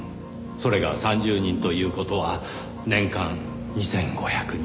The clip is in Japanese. それが３０人という事は年間２５２０万円。